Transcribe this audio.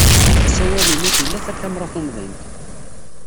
Asawal-inu ila takamra tumḍint.